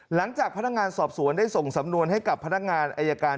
หลังจากพนักงานสอบสวนได้ส่งสำนวนให้กับพนักงานอายการ